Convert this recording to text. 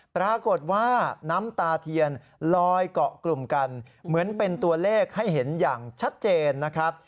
ปรากฏว่าน้ำตาเทียนลอยเกาะกลุ่มกันเหมือนเป็นตัวเลขให้เห็นอย่างชัดเจนนะครับ